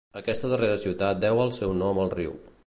Aquesta darrera ciutat deu el seu nom al riu.